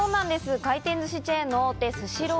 回転寿司チェーンの大手スシロー。